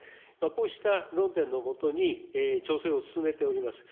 こうした論点のもとに、調整を進めております。